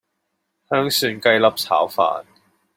香蒜雞粒炒飯